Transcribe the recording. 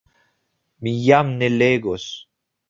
Mi jam ne legos,...